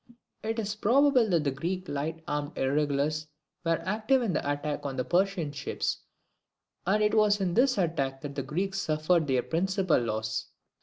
[It is probable that the Greek light armed irregulars were active in the attack on the Persian ships and it was in this attack that the Greeks suffered their principal loss.